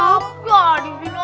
aarab lah disini aja